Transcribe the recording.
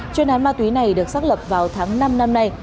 chuyên án ma túy này được xác lập vào tháng năm năm nay